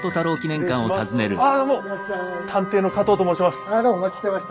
探偵の加藤と申します。